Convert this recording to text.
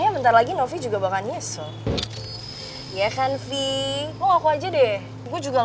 boleh boleh duduk disitu aja ya